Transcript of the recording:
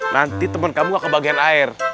nanti teman kamu gak kebagian air